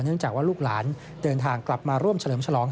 จากว่าลูกหลานเดินทางกลับมาร่วมเฉลิมฉลอง